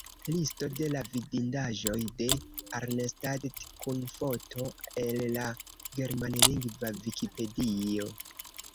Listo de la vidindaĵoj de Arnstadt kun foto, el la germanlingva Vikipedio.